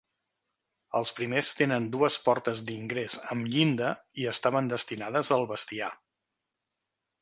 Els primers tenen dues portes d'ingrés amb llinda i estaven destinades al bestiar.